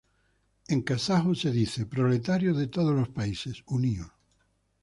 En kazajo se dice Барлық елдеpдің пролетарлары, бірігіңдер!